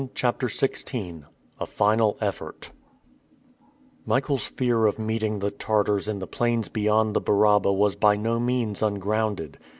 CHAPTER XVI A FINAL EFFORT MICHAEL'S fear of meeting the Tartars in the plains beyond the Baraba was by no means ungrounded.